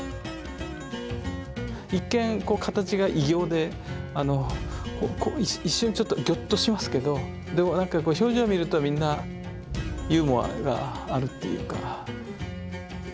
一見こう形が異形で一瞬ちょっとぎょっとしますけどでも何か表情見るとみんなユーモアがあるっていうか。